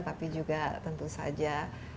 tapi juga tentu saja